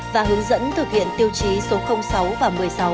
và hướng dẫn thực hiện tiêu chí số sáu và một mươi sáu